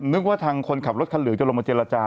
นึกว่าทางคนขับรถคันเหลืองจะลงมาเจรจา